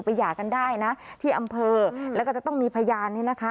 หย่ากันได้นะที่อำเภอแล้วก็จะต้องมีพยานเนี่ยนะคะ